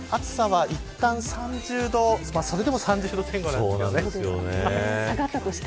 暑さはいったん３０度それでも３０度前後です。